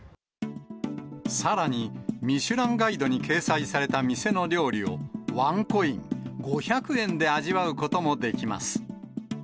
さらに、ミシュランガイドに掲載された店の料理を、ワンコイン・５００円で味わうこともできます。